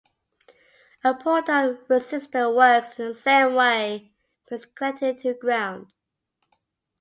A pull-down resistor works in the same way but is connected to ground.